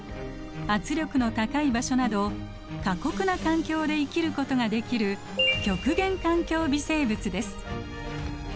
圧力の高い場所など過酷な環境で生きることができる極限環境微生物です。